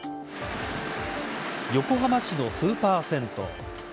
横浜市のスーパー銭湯。